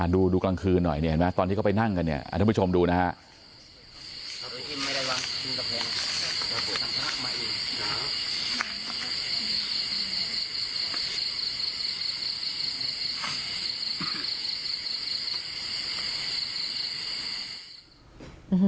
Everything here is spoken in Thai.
ดูกลางคืนหน่อยตอนที่เข้าไปนั่งกันท่านผู้ชมดูนะฮะ